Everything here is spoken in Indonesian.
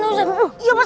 betul mereka kemana